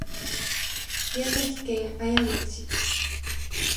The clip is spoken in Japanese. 宮崎県綾町